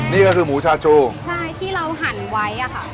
นี่ก็คือหมูชาชูใช่ที่เราหั่นไว้อะค่ะ